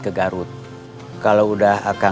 pajaknya udah dibayar